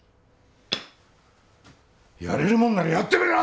やれるもんならやってみろ！